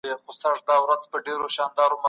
د دیني پوهنو څېړنه خپل ځانګړي اصول لري.